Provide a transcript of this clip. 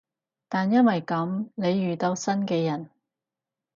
但因為噉，你遇到新嘅人